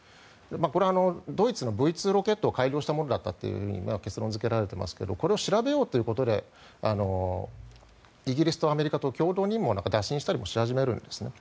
これはドイツのＶ２ロケットを改良したものだったと結論付けられていますがこれを調べようということでイギリスとアメリカと共同任務を打診したりし始めるんです。